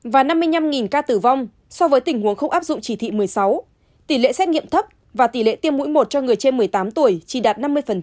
và năm mươi năm ca tử vong so với tình huống không áp dụng chỉ thị một mươi sáu tỷ lệ xét nghiệm thấp và tỷ lệ tiêm mũi một cho người trên một mươi tám tuổi chỉ đạt năm mươi